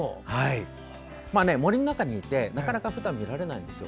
森の中にいて、なかなかふだんは見られないんですよ。